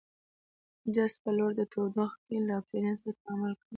جست په لوړه تودوخه کې له اکسیجن سره تعامل کوي.